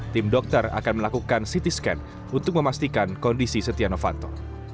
tim dokter akan melakukan ct scan untuk memastikan kondisi setia novanto